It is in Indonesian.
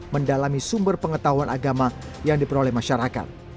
mendalami sumber pengetahuan agama yang diperoleh masyarakat